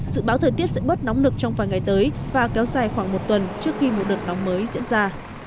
dự báo thời tiết sẽ bớt nóng nực trong vài ngày tới và kéo dài khoảng một tuần trước khi một đợt nóng mới diễn ra